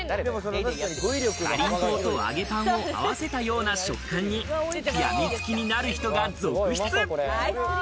かりんとうと揚げパンを合わせたような食感に、やみつきになる人が続出。